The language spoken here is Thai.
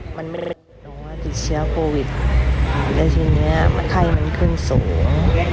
ฉันว่าติดเชื้อโควิดแล้วทีนี้ไข้มันขึ้นสูง